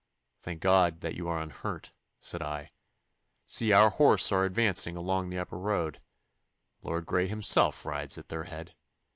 'Thank God that you are unhurt,' said I. 'See, our horse are advancing along the upper road. Lord Grey himself rides at their head.